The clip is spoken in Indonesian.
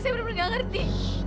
saya benar benar gak ngerti